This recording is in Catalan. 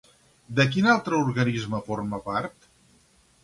De quin altre organisme forma part?